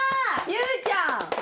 ゆぅちゃん。